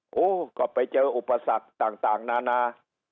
โอ้โหก็ไปเจออุปสรรคต่างนานา